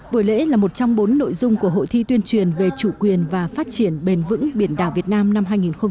buổi lễ là một trong bốn nội dung của hội thi tuyên truyền về chủ quyền và phát triển bền vững biển đảo việt nam năm hai nghìn hai mươi